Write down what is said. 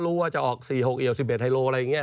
รู้ว่าจะออก๔๖๑๑เฮโร่อะไรอย่างงี้